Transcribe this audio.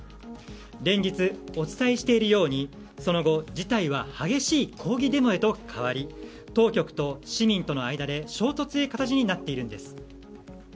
連日、お伝えしているようにその後、事態は激しい抗議デモへと変わり当局と市民との間で衝突という形になっているんです。